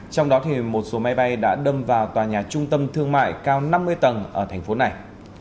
trong đó một số máy bay đã đâm vào tòa nhà trung tâm thương mại cao năm mươi tầng ở thành phố này